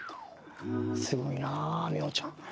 すごいなあミホちゃん。